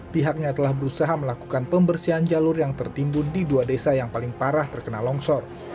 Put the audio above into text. pihaknya telah berusaha melakukan pembersihan jalur yang tertimbun di dua desa yang paling parah terkena longsor